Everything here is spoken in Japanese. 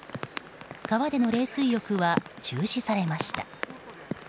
川での冷水浴は中止されました。